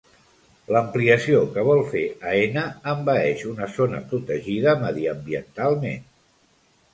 L'ampliació que vol fer Aena envaeix una zona protegida mediambientalment.